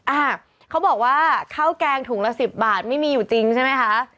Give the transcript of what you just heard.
อ่าเขาบอกว่าข้าวแกงถุงละ๑๐บาทไม่มีอยู่จริงใช่ไหมคะ